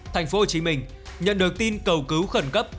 thành phố hồ chí minh nhận được tin cầu cứu khẩn cấp